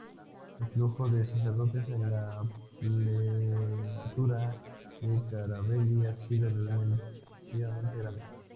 El flujo de sacerdotes en la Prelatura de Caravelí ha sido relativamente grande.